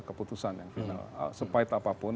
keputusan yang final sepahit apapun